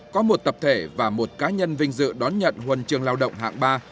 có một tập thể và một cá nhân vinh dự đón nhận huần trường lao động hạng ba